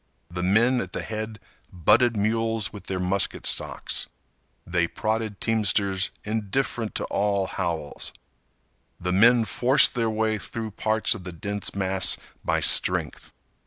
The men at the head butted mules with their musket stocks. They prodded teamsters indifferent to all howls. The men forced their way through parts of the dense mass by strength.